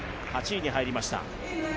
８位に入りました。